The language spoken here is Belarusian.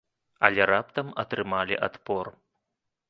Але раптам атрымалі адпор.